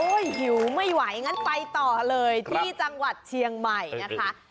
หิวไม่ไหวงั้นไปต่อเลยที่จังหวัดเชียงใหม่นะคะ